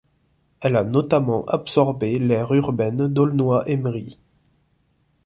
Elle a notamment absorbé l'aire urbaine d'Aulnoye-Aymeries.